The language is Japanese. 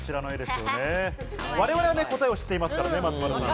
我々は答えを知っていますからね。